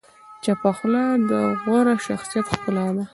چپه خوله، د غوره شخصیت ښکلا ده.